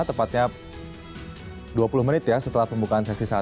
tepatnya dua puluh menit ya setelah pembukaan sesi satu